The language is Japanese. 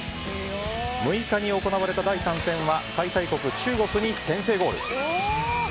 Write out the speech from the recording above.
６日に行われた第３戦は開催国・中国に先制ゴール。